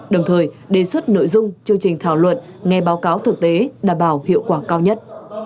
đồng thời đề xuất nội dung chương trình thảo luận nghe báo cáo thực tế đảm bảo hiệu quả cao nhất